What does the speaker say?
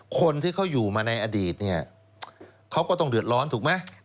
คนที่เขาอยู่มาในอดีตเนี่ยเขาก็ต้องเดือดร้อนถูกไหม